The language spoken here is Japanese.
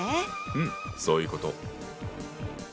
うんそういうこと。